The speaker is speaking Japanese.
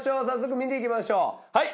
早速見ていきましょう。